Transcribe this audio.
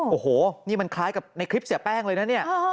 โอ้โหนี่มันคล้ายกับในคลิปเสียแป้งเลยนะเนี่ย